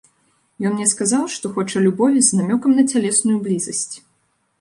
Ён мне сказаў, што хоча любові з намёкам на цялесную блізасць.